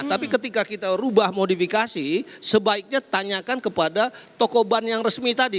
tapi ketika kita ubah modifikasi sebaiknya tanyakan kepada toko ban yang resmi tadi